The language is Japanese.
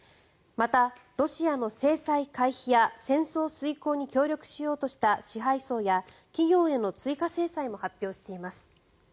また、ロシアの制裁回避や戦争遂行に協力しようとした支配層や企業への追加制裁も発表しています。